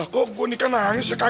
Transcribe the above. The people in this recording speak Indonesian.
kok gue nikah nangis ya kakak lah